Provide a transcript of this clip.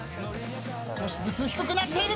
少しずつ低くなっているが。